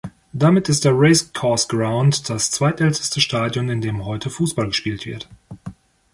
Damit ist der Racecourse Ground das zweitälteste Stadion, in dem heute Fußball gespielt wird.